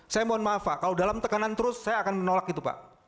saya mohon maaf pak kalau dalam tekanan terus saya akan menolak itu pak